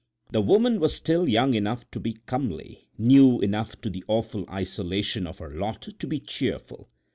The woman was still young enough to be comely, new enough to the awful isolation of her lot to be cheerful.